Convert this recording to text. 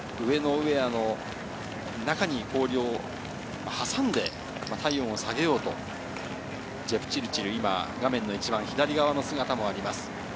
ウエアの中に氷を挟んで体温を下げようと、ジェプチルチル、今画面の一番左側の姿もあります。